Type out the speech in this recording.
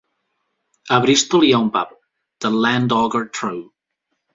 A Bristol hi ha un pub, "The Llandoger Trow".